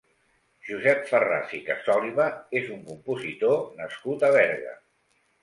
Josep Farràs i Casòliva és un compositor nascut a Berga.